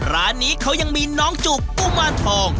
ร้านนี้เขายังมีน้องจุกกุมารทอง